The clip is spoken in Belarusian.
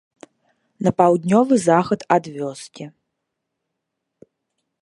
На паўднёвы захад ад вёскі.